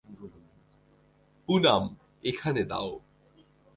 পুনাম, এখানে দাও।